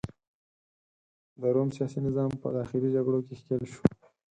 د روم سیاسي نظام په داخلي جګړو کې ښکیل شو.